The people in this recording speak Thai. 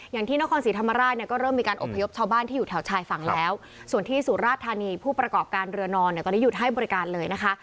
อย่างที่นครศรีธรรมราชเนี่ยก็เริ่มมีการอบพยพชาวบ้านที่อยู่แถวชายฝั่งแล้วส่วนที่สุราธานีผู้ประกอบการเรือนอนเนี่ยตอนนี้หยุดให้บริการเลยนะคะ